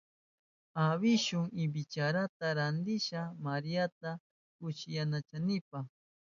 Awishu ibichirata rantishka Mariata kushillayachinanpa.